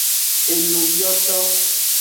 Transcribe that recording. Enubioto.